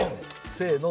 せの！